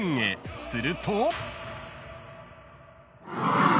［すると］